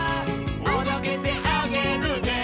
「おどけてあげるね」